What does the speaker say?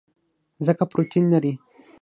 ځکه پروټین لري.